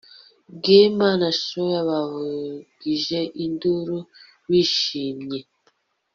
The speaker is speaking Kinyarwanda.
gemma na chloe, bavugije induru bishimye